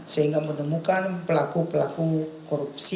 sehingga menemukan pelaku pelaku korupsi